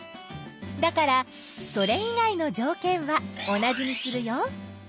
だからそれ以外のじょうけんは同じにするよ。